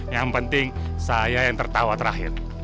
yang penting saya yang tertawa terakhir